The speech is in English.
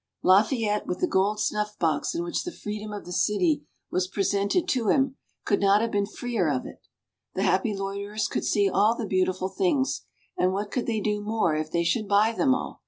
Lafayette, with the gold snuff box in which the freedom of the city was presented to him, could not have been freer of it. The happy loiterers could see all the beautiful things, and what could they do more if they should buy them all?